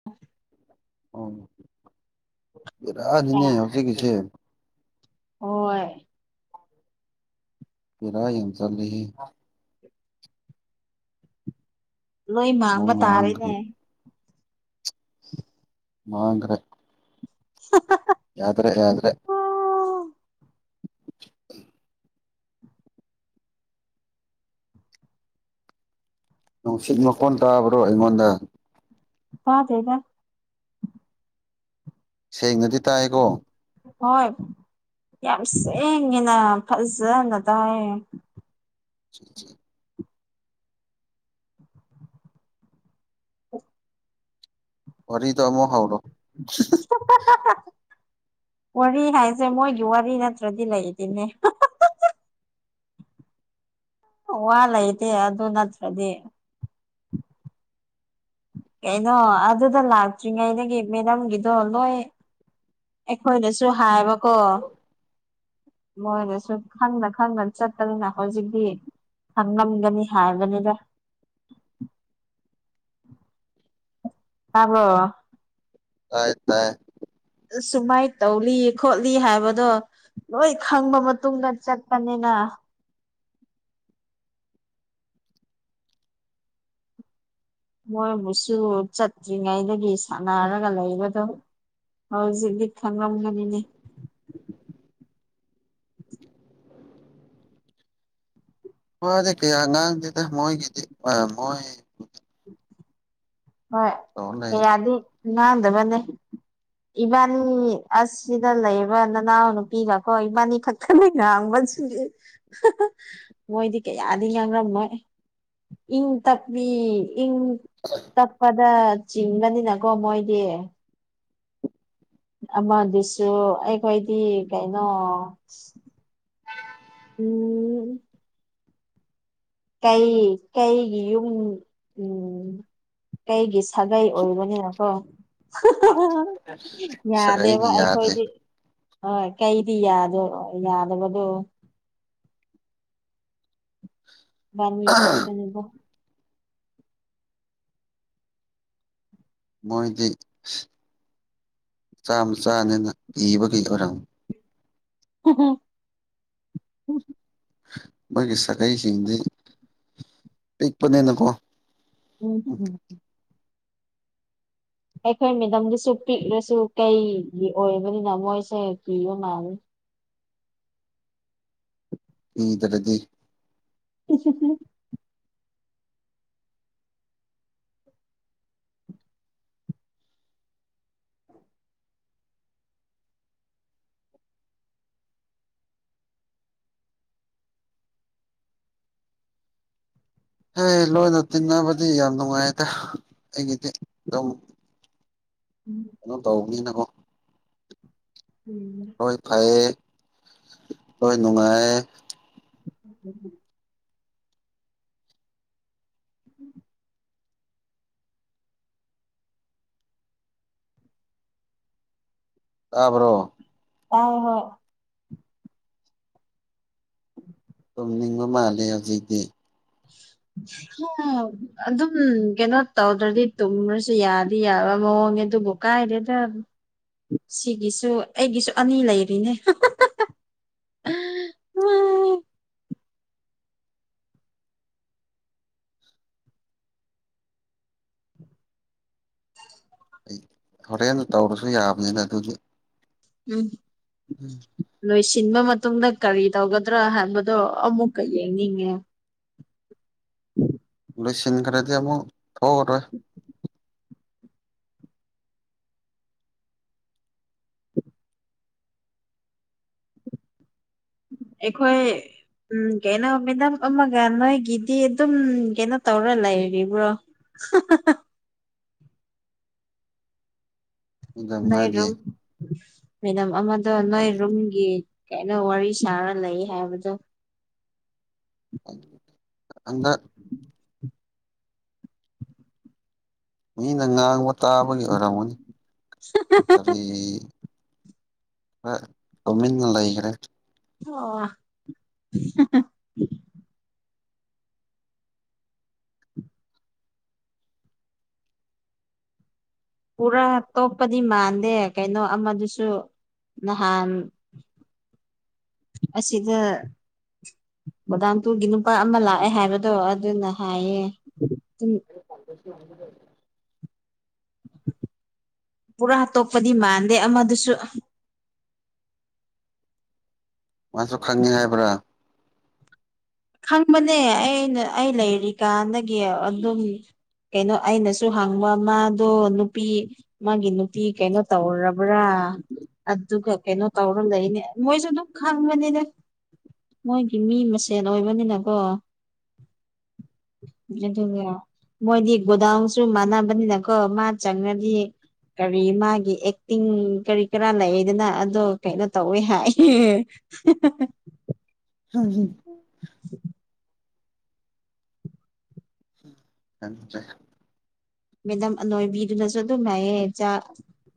[inaudible] ꯎ ꯕꯦꯔꯥꯅꯤꯅꯦ ꯍꯧꯖꯤꯛꯀꯤꯁꯦ ꯍꯣꯏ ꯕꯦꯔꯥ ꯌꯥꯝ ꯆꯠꯂꯦꯍꯦ ꯂꯣꯏ ꯃꯥꯡꯕ ꯃꯑꯣꯡ ꯇꯥꯔꯦꯅꯦ ꯃꯥꯥꯡꯒ꯭ꯔꯦ [inaudible] ꯌꯥꯗ꯭ꯔꯦ-ꯌꯥ꯭ꯗꯔꯦ꯫ ꯅꯨꯡꯁꯤꯠ ꯃꯈꫭꯟ ꯇꯥꯕ꯭ꯔꯣ ꯑꯩꯉꯣꯟꯗ꯫ ꯇꯥꯗꯦꯗ꯫ ꯁꯦꯡꯅꯗꯤ ꯇꯥꯏꯀꯣ꯫ ꯍꯣꯏ ꯌꯥꯝ ꯁꯦꯡꯉꯦꯅ ꯐꯖꯅ ꯇꯥꯏꯌꯦ꯫ [inaudible] ꯋꯥꯔꯤꯗꫭ ꯑꯃꯨꯛ ꯍꯧꯔꯣ꯫ [unintelligible] [unintelligible] ꯋꯥꯔꯤ ꯍꯥꯏꯁꯦ ꯃꯣꯏꯒꯤ ꯋꯥꯔꯤ ꯅꯠꯇ꯭ꯔꯗꯤ ꯂꯩꯇꯦꯅꯦ꯫ ꯋꯥ ꯂꯩꯇꯦ ꯑꯗꯨ ꯅꯠꯇ꯭ꯔꯗꯤ꯫ ꯀꯩꯅꯣ ꯑꯗꯨꯗ ꯂꯥꯛꯇ꯭ꯔꯤꯉꯩꯗꯒꯤ ꯃꯦꯗꯥꯝꯒꯤꯗꯣ ꯅꯣꯏ ꯑꯩꯈꯣꯏꯗꯁꯨ ꯍꯥꯏꯕꯀꯣ꯫ ꯃꯣꯏꯗꯁꯨ ꯈꯪꯅ-ꯈꯪꯅ ꯆꯠꯄꯅꯤꯅ ꯍꯧꯖꯤꯛꯇꯤ ꯈꯪꯂꯝꯒꯅꯤ ꯍꯥꯏꯕꯅꯤꯗ꯫ ꯇꯥꯕ꯭ꯔꯣ꯫ ꯇꯥꯏ ꯇꯥꯏ꯫ ꯁꯨꯃꯥꯏ ꯇꯧꯂꯤ ꯈꯣꯠꯂꯤ ꯍꯥꯏꯕꯗꯣ ꯂꯣꯏ ꯈꯪꯕ ꯃꯇꯨꯡꯗ ꯆꯠꯄꯅꯤꯅ ꯃꯣꯏꯕꯨꯁꯨ ꯆꯠꯇ꯭ꯔꯤꯉꯩꯗꯒꯤ ꯁꯥꯟꯅꯔꯒ ꯂꯩꯕꯗꯣ ꯍꯧꯖꯤꯛꯗꯤ ꯈꯪꯔꯝꯒꯅꯤꯅꯦ꯫ ꯋꯥꯗꯤ ꯀꯌꯥ ꯉꯥꯡꯗꯦꯗ ꯃꯣꯏꯒꯤꯗꯤ ꯑ ꯃꯣꯏ ꯍꯣꯏ ꯇꯧꯔ ꯂꯩ ꯀꯥꯌꯥꯗꯤ ꯉꯥꯡꯗꯕꯅꯦ꯫ ꯏꯕꯥꯅꯤ ꯑꯁꯁꯤꯗ ꯂꯩꯌꯦꯕ ꯅꯅꯥꯎ ꯅꯨꯄꯤꯒꯀꯣ ꯏꯕꯥꯅꯤ ꯈꯛ ꯈꯛꯅꯥ ꯉꯥꯡꯕꯁꯤꯗꯤ ꯃꯣꯏꯗꯤ [unintelligible] ꯃꯣꯏꯗꯤ ꯀꯌꯥꯗꯤ ꯉꯥꯡꯔꯝꯃꯣꯏ꯫ ꯏꯪ ꯇꯞꯏ ꯏꯡ [inaudible] ꯇꯞꯄꯗ ꯆꯤꯡꯒꯅꯤꯅꯀꯣ ꯃꯣꯏꯗꯤ꯫ ꯑꯃꯗꯨꯁꯨ ꯑꯩꯈꯣꯏꯗꯤ ꯀꯩꯅꯣ ꯎꯝ ꯀꯩ ꯀꯩꯒꯤ ꯌꯨꯝ ꯀꯩꯒꯤ ꯁꯥꯒꯩ ꯑꯣꯏꯕꯅꯤꯅꯀꯣ꯫ [unintelligible] ꯁꯥꯒꯩꯅ ꯌꯥꯗꯦꯕ ꯌꯥꯗꯦ ꯑꯩꯈꯣꯏꯗꯤ꯫ ꯍꯣꯏ ꯀꯩꯗꯤ ꯌꯥꯗꫭ ꯌꯥꯗꯕꯗꯣ꯫ ꯏꯕꯅꯤ ꯈꯛꯇꯅꯦꯕ꯫ ꯃꯣꯏꯗꯤ ꯆꯥꯝꯃ ꯆꯥꯅꯦꯅ ꯏꯕꯒꯤ ꯑꯣꯏꯔꯝ [unintelligible] ꯃꯣꯏꯒꯤ ꯁꯥꯒꯩꯁꯤꯡꯗꯤ ꯄꯤꯛꯄꯅꯤꯅꯀꯣ ꯎꯝ꯫ ꯑꯩꯈꯣꯏ ꯃꯦꯗꯝꯗꯨꯁꯨ ꯄꯤꯛꯔꯁꯨ ꯀꯩꯒꯤ ꯑꯣꯏꯕꯅꯤꯅ ꯃꯣꯏꯁꯦ ꯀꯤꯕ ꯃꯥꯜꯂꯦ꯫ ꯀꯤꯗꯔꯗꯤ꯫ [unintelligible] ꯍꯩ ꯂꯣꯏꯅ ꯇꯤꯟꯅꯕꯗꯤ ꯌꯥꯝ ꯅꯨꯡꯉꯥꯏꯗ ꯑꯩꯒꯤꯗꯤ ꯑꯗꯨꯝ꯫ ꯎꯝ꯫ ꯀꯩꯅꯣ ꯇꯧꯕꯅꯤꯅꯀꯣ꯫ ꯎꯝ꯫ ꯍꯣꯏ ꯐꯩꯌꯦ ꯍꯣꯏ ꯅꯨꯡꯉꯥꯏꯌꯦ꯫ [inaudible] ꯇꯥꯕ꯭ꯔꯣ꯫ ꯇꯥꯑꯦ ꯍꯣꯏ꯫ ꯇꯨꯝꯅꯤꯡꯕ ꯃꯥꯜꯂꯦ ꯍꯧꯖꯤꯛꯇꯤ꯫ [inaudible] ꯑꯗꯨꯝ ꯀꯩꯅꯣ ꯇꯧꯗ꯭ꯔꯗꯤ ꯇꯨꯝꯔꯁꯨ ꯌꯥꯗꯤ ꯌꯥꯕ ꯃꯑꯣꯡꯅꯦ ꯑꯗꯨꯕꯨ ꯀꯥꯏꯗꯦꯗ ꯁꯤꯒꯤꯁꯨ ꯑꯩꯒꯤꯁꯨ ꯑꯅꯤ ꯂꯩꯔꯤꯅꯦ ꯑꯩ ꯍꯣꯔꯦꯟ ꯇꯧꯔꯁꯨ ꯌꯥꯕꯅꯤꯅ ꯑꯗꯨꯗꯤ ꯎꯝ ꯂꯣꯏꯁꯤꯟꯕ ꯃꯇꯨꯡꯗ ꯀꯔꯤ ꯇꯧꯒꯗ꯭ꯔꯥ ꯍꯥꯏꯕꯗꯣ ꯑꯃꯨꯛꯀ ꯌꯦꯡꯅꯤꯡꯉꯦ ꯂꯣꯏꯁꯤꯟꯈ꯭ꯔꯗꯤ ꯑꯃꯨꯛ ꯊꯣꯛꯑꯔꯣꯏ [inaudible] ꯑꯩꯈꯣꯏ ꯎꯝ ꯀꯩꯅꯣ ꯃꯦꯗꯥꯝ ꯑꯃꯒ ꯅꯣꯏꯒꯤꯗꯤ ꯑꯗꯨꯝ ꯀꯩꯅꯣ ꯇꯧꯔ ꯂꯩꯔꯤꯕ꯭ꯔꯣ [inaudible] ꯑꯗꯨꯝ ꯍꯥꯏꯗꯤ ꯅꯣꯏꯔꯝ ꯃꯦꯗꯥꯝ ꯑꯃꯗ ꯅꯣꯏ ꯔꯝ ꯒꯤ ꯀꯩꯅꯣ ꯋꯥꯔꯤ ꯁꯥꯔ ꯂꯩ ꯍꯥꯏꯕꯗꯣ ꯍꯟꯗꯛ ꯃꯤꯅ ꯉꯥꯡꯕ ꯇꯥꯕꯒꯤ ꯑꯣꯏꯔꯝꯒꯅꯤ ꯏ ꯇꯨꯃꯤꯟꯅ ꯂꯩꯈꯔ ꯑꯣ [unintelligible] ꯄꯨꯔꯥ ꯇꯣꯛꯄꯗꯤ ꯃꯥꯟꯗꯦ ꯀꯩꯅꯣ ꯑꯃꯗꯨꯁꯨ ꯅꯍꯥꯟ ꯑꯁꯤꯗ ꯕꯣꯗꯥꯝ ꯇꯨꯒꯤ ꯅꯨꯄꯥ ꯑꯃ ꯂꯥꯛꯑꯦ ꯍꯥꯏꯕꯗꯣ ꯑꯗꯨꯅ ꯍꯥꯏꯌꯦ ꯇꯨꯝ [unintelligible] ꯄꯨꯔꯥ ꯇꯣꯛꯄꯗꯤ ꯃꯥꯟꯗꯦ ꯑꯃꯗꯨꯁꯨ ꯃꯥꯁꯨ ꯈꯪꯉꯦ ꯍꯥꯏꯕ꯭ꯔꯥ ꯈꯪꯕꯅꯦ ꯑꯩꯅ ꯑꯩ ꯂꯩꯔꯤꯀꯥꯟꯗꯒꯤ ꯑꯗꯨꯝ ꯀꯩꯅꯣ ꯑꯩꯅꯁꯨ ꯍꯪꯕ ꯃꯥꯗꯣ ꯅꯨꯄꯤ ꯃꯥꯒꯤ ꯅꯨꯄꯤ ꯀꯩꯅꯣ ꯇꯧꯔꯕ꯭ꯔꯥ ꯑꯗꯨꯒ ꯀꯩꯅꯣ ꯇꯧꯔꯒ ꯂꯩꯅꯦ ꯃꯣꯏꯁꯨ ꯑꯗꯨꯝ ꯈꯪꯕꯅꯤꯗ ꯃꯣꯏꯒꯤ ꯃꯤ ꯃꯁꯦꯟ ꯑꯣꯏꯕꯅꯤꯅꯀꯣ ꯑꯗꯨꯒꯤꯔꯣ ꯃꯣꯏꯗꯤ ꯒꯣꯗꯥꯎꯟꯁꯨ ꯃꯥꯟꯅꯕꯅꯤꯅꯀꯣ ꯃꯥ ꯆꯪꯉꯗꯤ ꯀꯔꯤ ꯃꯥꯒꯤ ꯑꯦꯛꯇꯤꯡ ꯀꯔꯤ ꯀꯔꯥ ꯂꯩꯗꯅ ꯑꯗꯣ ꯀꯩꯅꯣ ꯇꯧꯋꯦ ꯍꯥꯏꯑ [inaudible] ꯍꯍꯝ [inaudible] [unintelligible] ꯃꯦꯗꯝ ꯑꯅꯣꯏꯕꯤꯗꯨꯅꯁꯨ ꯑꯗꯨꯝꯅꯌꯦ ꯆꯥ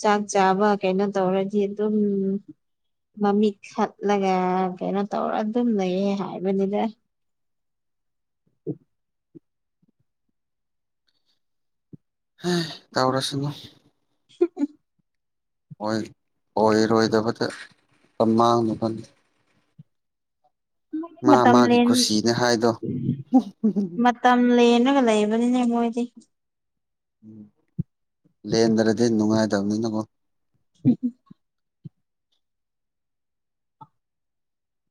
ꯆꯥꯛ ꯆꯥꯕ ꯀꯩꯅꯣ ꯇꯧꯔꯗꯤ ꯑꯗꯨꯝ ꯃꯃꯤꯠ ꯈꯥꯠꯂꯒ ꯀꯩꯅꯣ ꯇꯧꯔ ꯑꯗꯨꯝ ꯂꯩꯌꯦ ꯍꯥꯏꯕꯅꯤꯗ [inaudible] ꯍ ꯇꯧꯔꯁꯅꯨ [inaudible] ꯍꯣꯏ ꯑꯣꯏꯔꯣꯏꯗꯕꯗ ꯃꯇꯝ ꯃꯥꯡꯅꯅꯤ ꯃꯣꯏꯗꯤ ꯃꯥ ꯃꯇꯝ ꯃꯥꯒꯤ ꯂꯦꯟ ꯀꯨꯁꯤꯅꯦ ꯍꯥꯏꯗꯣ ꯇꯝꯂꯦꯅꯒ ꯂꯩꯕꯅꯤꯅꯦ ꯃꯣꯏꯗꯤ ꯎꯝ ꯂꯦꯟꯗ꯭ꯔꯗꯤ ꯅꯨꯡꯉꯥꯏꯇꯕꯅꯤꯅꯀꯣ ꯎꯝ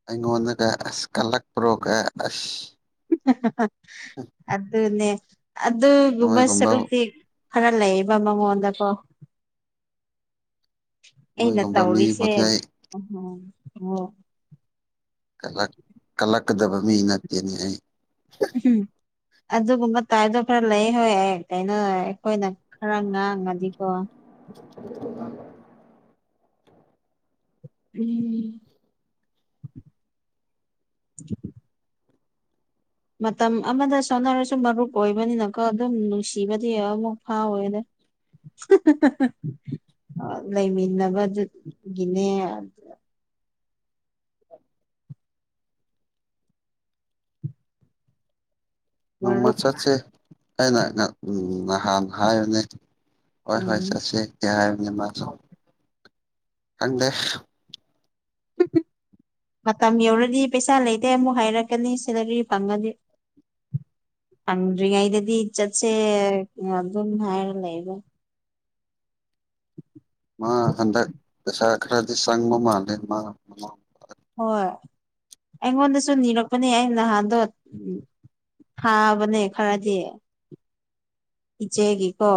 ꯑꯩꯉꯣꯡꯗꯒ ꯀꯂꯛ ꯄꯨ꯭ꯔꯣ ꯀꯥꯏ ꯑꯁ ꯑꯗꯨꯅꯦ ꯑꯗꯨꯒꯨꯝꯕ ꯅꯣꯏꯒꯨꯝꯕ ꯁꯔꯨꯛꯇꯤ ꯈꯔ ꯂꯩꯑꯦꯕ ꯃꯉꯣꯟꯗꯀꯣ ꯑꯩꯅ ꯅꯣꯏꯒꯨꯝꯕ ꯇꯧꯔꯤꯁꯦ ꯃꯤꯕꯨꯗꯤ ꯑꯩ ꯑꯣꯍꯣ ꯀꯂꯛ ꯀꯜꯂꯛꯀꯗꯕ ꯃꯤ ꯅꯠꯇꯦꯅꯤ ꯑꯩ ꯎꯝ ꯑꯗꯨꯒꯨꯝꯕ ꯇꯥꯏꯗꯣ ꯈꯔ ꯂꯩ ꯍꯣꯏ ꯑꯩ ꯀꯩꯅ ꯑꯩꯈꯣꯏꯅ ꯈꯔ ꯉꯥꯡꯉꯗꯤꯀꯣ ꯎ ꯎꯝ ꯃꯇꯝ ꯑꯃꯗ ꯁꯣꯟꯅꯔꯁꯨ ꯃꯔꯨꯞ ꯑꯣꯏꯕꯅꯤꯅꯀꯣ ꯑꯗꯨꯝ ꯅꯨꯡꯁꯤꯕꯗꯤ ꯑꯃꯨꯛ ꯐꯥꯎꯋꯦꯗ ꯂꯩꯃꯤꯟꯅꯕꯗꯨꯒꯤꯅꯦ ꯅꯣꯡꯃ ꯃꯔꯨꯞ ꯆꯠꯁꯤ ꯑꯩꯅ ꯎ ꯅꯍꯥꯟ ꯍꯥꯏꯕꯅꯦ ꯍꯣꯏ ꯍꯣꯏ ꯎꯝ ꯆꯠꯁꯤ ꯀꯦ ꯍꯥꯏꯕꯅꯤ ꯃꯥ ꯈꯪꯗꯦ ꯎꯝ ꯃꯇꯝ ꯌꯧꯔꯗꯤ ꯄꯩꯁꯥ ꯂꯩꯇꯦ ꯑꯃꯨꯛ ꯍꯥꯏꯔꯛꯀꯅꯤ ꯁꯦꯂꯔꯤ ꯐꯪꯉꯗꯤ ꯑꯪꯔꯤꯉꯏꯗꯗꯤ ꯏꯖꯠꯁꯦ ꯑꯗꯨ ꯑꯗꯨꯝ ꯍꯥꯏ ꯍꯥꯏꯔ ꯂꯩꯕ ꯃꯥ ꯍꯟꯗꯛ ꯄꯩꯁꯥ ꯈꯔꯗꯤ ꯆꯪꯕ ꯃꯥꯜꯂꯦ ꯃꯥ ꯃꯃ ꯍꯣꯏ ꯑꯩꯉꯣꯟꯗꯁꯨ ꯅꯤꯔꯛꯄꯅꯦ ꯑꯩ ꯅꯍꯥꯟꯗꯣ ꯎꯝ ꯍꯥꯥꯕꯅꯦ ꯈꯔꯗꯤ ꯏꯆꯦꯒ ꯀꯣ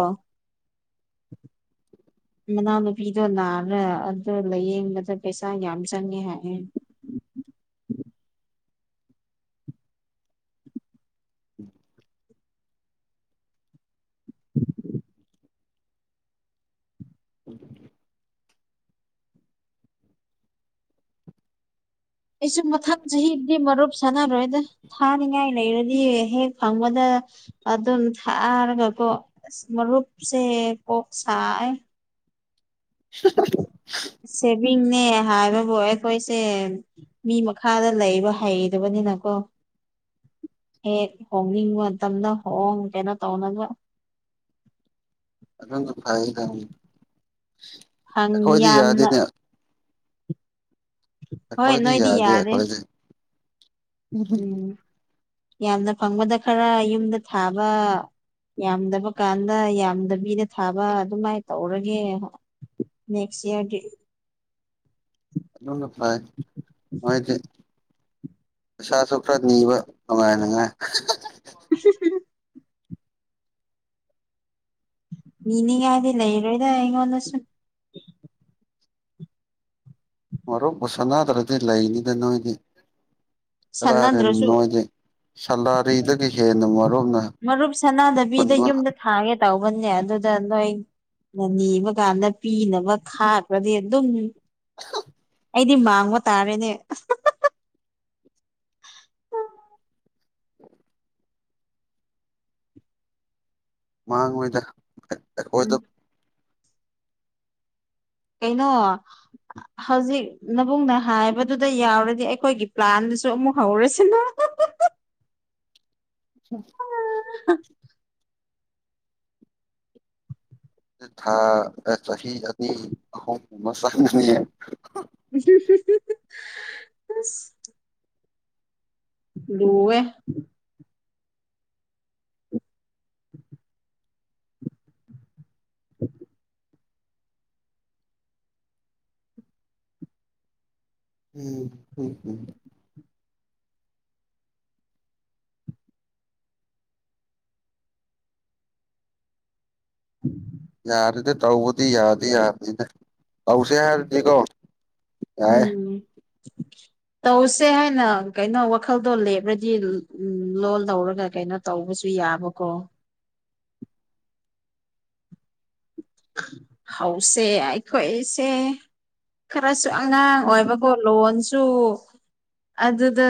ꯃꯅꯥꯎꯅꯨꯄꯤꯗꯣ ꯅꯥꯔ ꯑꯗꯨꯣ ꯂꯥꯏꯌꯦꯡꯕꯗ ꯄꯩꯁꯥ ꯌꯥꯝ ꯆꯪꯉꯦ ꯍꯥꯏꯌꯦ ꯎꯝ ꯎꯝ ꯎꯝ ꯑꯩꯁꯨ ꯃꯊꯪ ꯆꯍꯤꯗꯤ ꯃꯔꯨꯞ ꯁꯥꯟꯅꯔꯣꯏꯗ ꯊꯥꯅꯤꯡꯉꯥꯏ ꯂꯩꯔꯗꯤ ꯍꯦꯛ ꯐꯪꯕꯗ ꯑꯗꯨꯝ ꯊꯥꯔꯒꯀꯣ ꯑ ꯃꯔꯨꯞꯁꯦ ꯀꯣꯛ ꯁꯥꯏ ꯍ ꯁꯦꯚꯤꯡꯅꯦ ꯍꯥꯏꯕꯕꯨ ꯑꯩꯈꯣꯏꯁꯦ ꯃꯤ ꯃꯈꯥꯗ ꯂꯩꯕ ꯍꯩꯕꯅꯤꯅꯀꯣ ꯍꯦ ꯍꯣꯡꯅꯤꯡꯕ ꯃꯇꯝꯗ ꯍꯣꯡ ꯀꯦꯩꯅꯣ ꯇꯧꯅꯅꯕ ꯑꯗꯨꯝ ꯐꯩ ꯐꯪ ꯑꯩꯈꯣꯏꯗꯤ ꯌꯥꯝꯅ ꯌꯥꯗꯦꯅꯦ ꯍꯣꯏ ꯑꯩꯈꯣꯏꯗꯤ ꯅꯣꯏꯗꯤ ꯌꯥꯗꯦ ꯌꯥꯔꯦ ꯑꯩꯈꯣꯏꯗꯤ ꯎꯝ ꯌꯥꯝꯅ ꯐꯪꯕꯗ ꯈꯔ ꯌꯨꯝꯗ ꯊꯥꯕ ꯌꯥꯝꯗꯕ ꯀꯥꯟꯗ ꯌꯥꯝꯗꯕꯤꯗ ꯊꯥꯕ ꯑꯗꯨꯃꯥꯏꯅ ꯇꯧꯔꯒꯦ ꯅꯦꯛꯦꯛꯁ ꯏꯌꯔ ꯗꯦ ꯑ ꯐꯥꯏ ꯃꯥꯗꯤ ꯁꯥꯁꯨ ꯈ꯭ꯔ ꯅꯤꯕ ꯐꯅꯨꯡꯉꯥꯏꯉ [inaudible] ꯃꯤꯅꯤꯡꯉꯥꯏꯗꯤ ꯂꯩꯔꯣꯏꯗ ꯑꯩꯉꯣꯟꯗꯁꯨꯨꯝ ꯃꯔꯨꯞꯄ ꯁꯅꯥꯗ꯭ꯔꯗꯤ ꯂꯩꯅꯤꯗ ꯅꯣꯏꯗꯤ ꯀꯗꯥꯏꯗꯣ ꯁꯥꯟꯅꯗ꯭ꯔꯁꯨ ꯅꯣꯏꯗꯤ ꯁꯂꯥꯔꯤꯗꯒꯤ ꯍꯦꯟꯅ ꯃꯔꯨꯞꯅ ꯄꯨꯟꯕ ꯍꯥꯏ ꯇꯥꯎꯕꯟ ꯑꯗꯨꯗ ꯅꯣꯏ ꯅ ꯅꯤꯕ ꯀꯥꯟꯗ ꯄꯤꯅꯕ ꯈꯥꯈ꯭ꯔꯗꯤ ꯑꯗꯨꯝ ꯑꯩꯗꯤ ꯃꯥꯡꯕ ꯇꯥꯔꯦꯅꯦ ꯃꯥꯡꯉꯣꯏꯗ ꯑꯩꯈꯣꯏꯗ ꯎꯝ ꯀꯩꯅꯩꯅꯣ ꯍꯧꯖꯤꯛ ꯅꯕꯨꯡꯅ ꯍꯥꯏꯕꯗꯨꯗ ꯌꯥꯎꯔꯗꯤ ꯑꯩꯈꯣꯏꯒꯤ ꯄ꯭ꯂꯥꯟꯗꯨꯁꯨ ꯑꯃꯨꯛ ꯍꯧꯔꯁꯤꯅꯨ ꯑ ꯎ ꯊꯥ ꯆꯍꯤ ꯑꯅꯤ ꯑꯍꯨꯝ ꯑꯃꯅꯤ ꯌꯦ ꯂꯨ ꯑꯦ ꯎꯝ ꯎꯝ ꯎꯝ ꯎꯝ ꯎꯝ ꯎ ꯌꯥꯔꯗꯤ ꯇꯧꯕꯗꯤ ꯌꯥꯗꯤꯦ ꯌꯥꯗꯦꯅꯦ ꯑꯧꯁꯦ ꯍꯥꯏꯔꯗꯤ ꯀꯣ ꯌꯥꯏ ꯎ ꯇꯧꯁꯦ ꯍꯥꯏꯅ ꯀꯩꯅꯣ ꯋꯥꯈꯜꯗꯣ ꯂꯦꯞꯔꯗꯤ ꯎ ꯂꯣꯟ ꯂꯧꯔꯒ ꯀꯩꯅꯣ ꯇꯧꯕꯁꯨ ꯌꯥꯕꯀꯣ ꯍꯧꯁꯦ ꯑꯩꯈꯣꯏꯁꯦ ꯈꯔꯁꯨ ꯑꯉꯥꯡ ꯑꯣꯏꯕꯒꯣ ꯂꯣꯟꯣꯟꯁꯨ ꯑꯗꯨ ꯑꯗꯨꯗ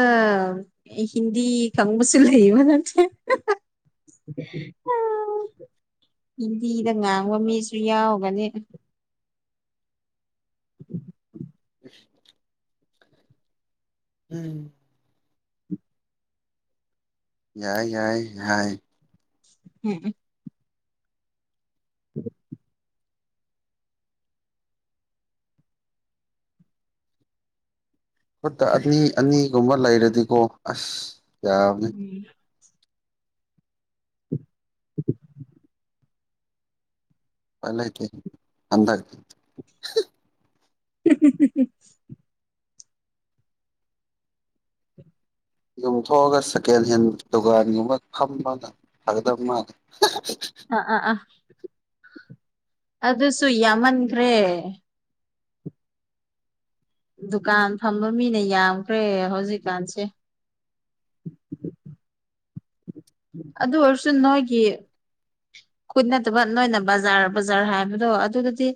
ꯍꯤꯟꯗꯤ ꯈꯪꯕꯁꯨꯂ ꯏꯕ ꯅꯠꯇꯦ ꯍꯤꯟꯗꯤꯗ ꯉꯥꯡꯕ ꯃꯤꯁꯨ ꯌꯥꯎꯒꯅꯤ ꯎ [unintelligible] ꯎꯝ ꯌꯥꯏ ꯌꯥꯏ ꯌꯥꯏ ꯎꯝ ꯎꯝ ꯈꯨꯠꯇ ꯑꯅꯤ ꯑꯅꯤꯒꯨꯝꯕ ꯂꯩꯔꯗꯤꯀꯣ ꯑꯁ ꯌꯥꯕꯅꯤ ꯎꯝ ꯄꯂꯦ ꯀ ꯑꯟꯗ ꯎ ꯌꯨꯝꯊꯣꯛꯑꯒ ꯁꯦꯀꯦꯟ ꯍꯦꯟ ꯗꯨꯀꯥꯟꯒꯨꯝꯕ ꯐꯝꯕꯥꯟꯗ ꯑꯗ ꯃꯥ ꯑꯥ ꯑꯥ ꯑꯥ ꯑꯗꯨꯁꯨ ꯌꯥꯝꯃꯟꯈ꯭ꯔꯦ ꯗꯨꯀꯥꯟ ꯐꯝꯕ ꯃꯤꯅ ꯌꯥꯝꯈ꯭ꯔꯦ ꯍꯧꯖꯤꯛꯀꯥꯟꯁꯦ ꯑꯗꯨ ꯑꯣꯏꯔꯁꯨꯟꯣꯏꯒꯤ ꯀꯨꯣꯏꯠ ꯅꯠꯇꯕ ꯅꯣꯏꯅ ꯕꯖꯥꯔ ꯕꯖꯥꯔ ꯍꯥꯏꯕꯗꯣ ꯑꯗꯨꯗꯨꯗꯤ